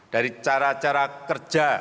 dari cara cara kerja